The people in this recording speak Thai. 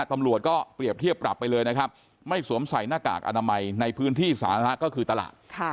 ตำรวจก็เปรียบเทียบปรับไปเลยนะครับไม่สวมใส่หน้ากากอนามัยในพื้นที่สาธารณะก็คือตลาด